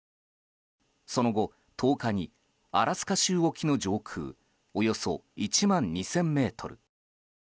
その後、１０日にアラスカ州沖の上空およそ１万２０００ｍ。